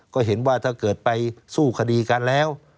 ก็เห็นว่าถ้าเกิดไปสู้คดีกันแล้ว